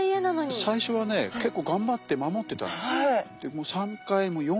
最初はね結構頑張って守ってたんです。